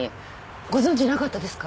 ご存じなかったですか？